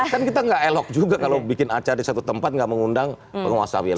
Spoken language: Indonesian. kan kita nggak elok juga kalau bikin acara di satu tempat gak mengundang penguasa wilayah